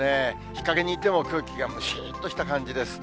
日陰にいても、空気がむしっとした感じです。